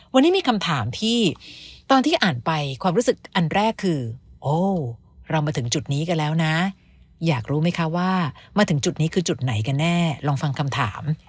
วันนี้มีคำถามที่ตอนที่อ่านไปความรู้สึกอันแรกคือโอ้เรามาถึงจุดนี้กันแล้วนะอยากรู้ไหมคะว่ามาถึงจุดนี้คือจุดไหนกันแน่ลองฟังคำถาม